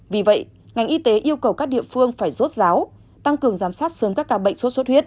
vì vậy ngành y tế yêu cầu các địa phương phải rốt ráo tăng cường giám sát sớm các ca bệnh sốt xuất huyết